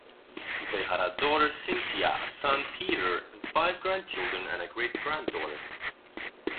They had a daughter Cynthia, a son Peter, five grandchildren and a great-granddaughter.